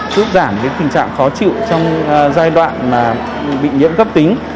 giúp giảm những tình trạng khó chịu trong giai đoạn bị nhiễm cấp tính